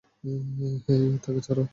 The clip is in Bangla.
হেই, তাকে ছাড়ো!